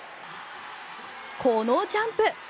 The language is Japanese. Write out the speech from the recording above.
このジャンプ。